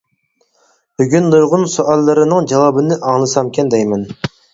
بۈگۈن نۇرغۇن سوئاللىرىنىڭ جاۋابىنى ئاڭلىسامكەن دەيمەن.